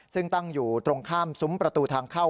ซึ่งตั้งอยู่ตรงข้ามซุ้มประตูทางเข้า